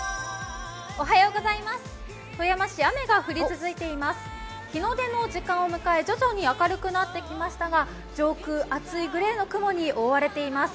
富山市雨が降り続いています、日の出の時間も迎え徐々に明るくなっていますが上空、厚いグレーの雲に覆われています。